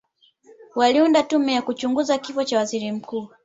waliunda tume ya kuchunguza kifo cha waziri mkuu